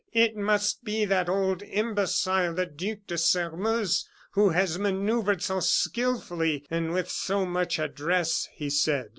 "It must be that old imbecile, the Duc de Sairmeuse, who has manoeuvred so skilfully, and with so much address," he said.